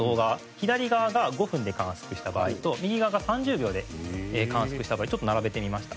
左側が５分で観測した場合と右側が３０秒で観測した場合ちょっと並べてみました。